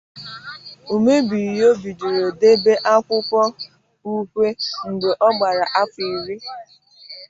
Umebinyuo bidoro debe akwụkwọ ukwe mgbe ọ gbara afọ iri.